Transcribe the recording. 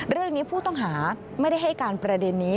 เรื่องนี้ผู้ต้องหาไม่ได้ให้การประเด็นนี้